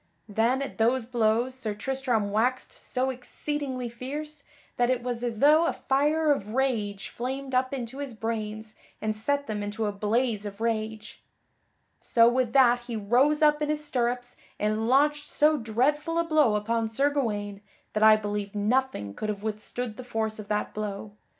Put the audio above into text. Then, at those blows Sir Tristram waxed so exceedingly fierce that it was as though a fire of rage flamed up into his brains and set them into a blaze of rage. So with that he rose up in his stirrups and launched so dreadful a blow upon Sir Gawaine that I believe nothing could have withstood the force of that blow.